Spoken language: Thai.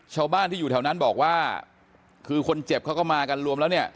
ชาวบ้านที่อยู่แถวนั้นบอกว่าคือคนเจ็บเขาก็มากันรวมแล้วเนี่ย